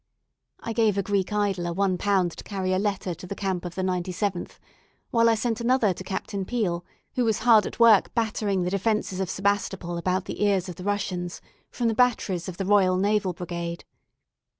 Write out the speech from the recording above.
I gave a Greek idler one pound to carry a letter to the camp of the 97th, while I sent another to Captain Peel, who was hard at work battering the defences of Sebastopol about the ears of the Russians, from the batteries of the Royal Naval Brigade.